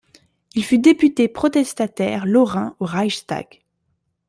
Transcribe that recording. Il fut député protestataire lorrain au Reichstag.